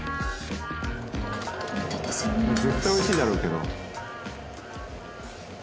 「絶対おいしいだろうけど」